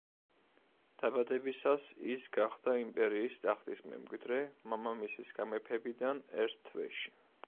დაბადებისას ის გახდა იმპერიის ტახტის მემკვიდრე, მამამისის გამეფებიდან ერთ თვეში.